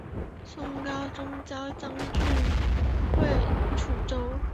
宋高宗诏张俊援楚州。